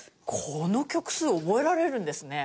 この曲数覚えられるんですね。